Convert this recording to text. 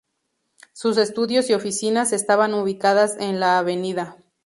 Sus estudios y oficinas estaban ubicados en la Av.